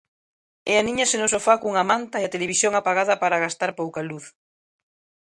E aníñase no sofá cunha manta e a televisión apagada para gastar pouca luz.